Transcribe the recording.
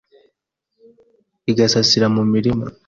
igasazira mu mirima